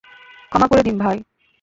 ক্ষমা করে দিন, ভাই।